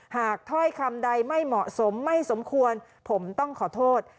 ถ้อยคำใดไม่เหมาะสมไม่สมควรผมต้องขอโทษ